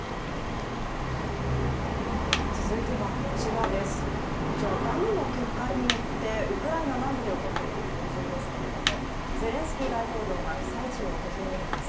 続いてはこちらです、こちらはダムの決壊によってウクライナ南部で起こっている洪水ですけれども、ゼレンスキー大統領が被災地を訪れています。